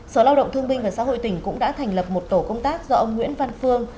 sở lao động thương binh và xã hội tỉnh cũng đã thành lập một tổ công tác do ông nguyễn văn phương